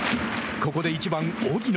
ここで１番荻野。